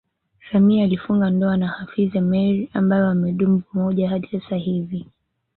Samia alifunga ndoa na Hafidh Ameir ambaye wamedumu pamoja hadi sasa hivi